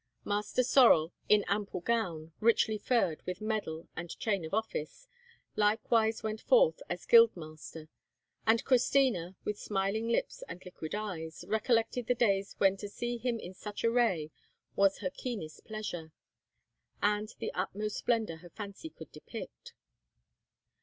Master Sorel, in ample gown, richly furred, with medal and chain of office, likewise went forth as Guildmaster; and Christina, with smiling lips and liquid eyes, recollected the days when to see him in such array was her keenest pleasure, and the utmost splendour her fancy could depict.